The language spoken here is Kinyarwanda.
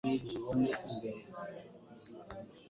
Mariya ntashobora gutegeka ibikorwa bye